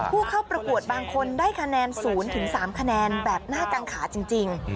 ผู้เข้าประกวดบางคนได้คะแนน๐๓คะแนนแบบหน้ากางขาจริง